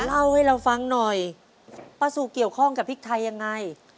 เล่าให้เราฟังหน่อยป้าสูเกี่ยวข้องกับพริกไทยยังไง